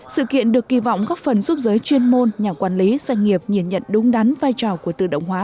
sự kiện được kỳ vọng góp phần giúp giới chuyên môn nhà quản lý doanh nghiệp nhìn nhận đúng đắn vai trò của tự động hóa